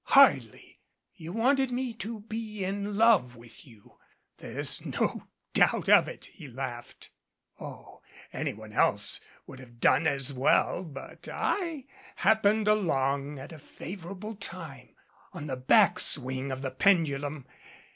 Hardly! You wanted me to be in love with you. There's no doubt of it." He laughed. "Oh, anyone else would have done as well, but I happened along at a favorable time on the back swing of the pendulum.